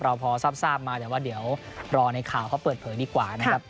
พอทราบมาแต่ว่าเดี๋ยวรอในข่าวเขาเปิดเผยดีกว่านะครับ